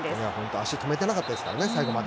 足を止めてなかったですね最後まで。